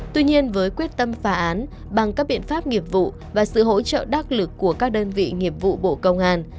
tuy nhiên với quyết tâm phá án bằng các biện pháp nghiệp vụ và sự hỗ trợ đắc lực của các đơn vị nghiệp vụ bộ công an